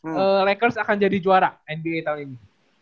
lakers akan jadi juara nba tahun ini